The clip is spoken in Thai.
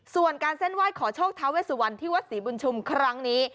ส่วนการเส้นไหว้ขอโชคท้าเวสุวรรณที่วัดศรีบุญชุมครั้งนี้